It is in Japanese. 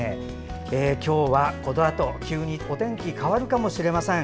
今日は、このあと急にお天気変わるかもしれません。